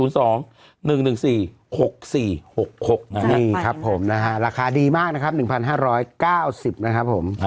นี่ครับผมนะฮะราคาดีมากนะครับ๑๕๙๐นะครับผม